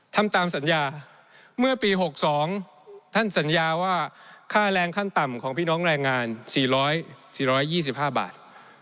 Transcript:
ทำตามสัญญาเมื่อปี๖๒ท่านสัญญาว่าค่าแรงขั้นต่ำของพี่น้องแรงงาน๔๒๕บาท